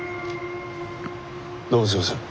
どうもすいません。